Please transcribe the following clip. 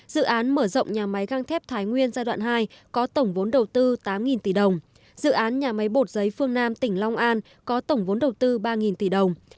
dự án mở rộng nhà máy găng thép thái nguyên giai đoạn hai có tổng vốn đầu tư tám tỷ đồng dự án nhà máy bột giấy phương nam tỉnh long an có tổng vốn đầu tư ba tỷ đồng